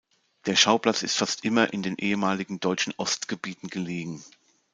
Der Schauplatz ist fast immer in den ehemaligen deutschen Ostgebieten gelegen.